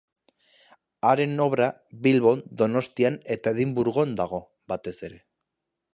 Haren obra Bilbon, Donostian eta Edinburgon dago, batez ere.